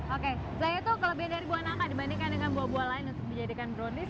oke selain itu kelebihan dari buah nangka dibandingkan dengan buah buah lain untuk dijadikan brownies